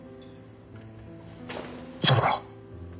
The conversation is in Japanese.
それから？